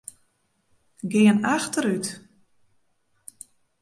Gean achterút.